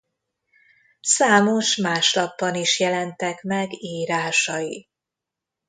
Számos más lapban is jelentek meg írásai.